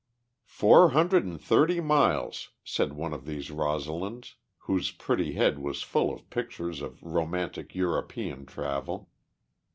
"Four hundred and thirty miles," said one of these Rosalinds, whose pretty head was full of pictures of romantic European travel.